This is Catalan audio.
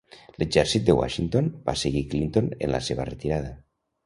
L'exèrcit de Washington va seguir Clinton en la seva retirada.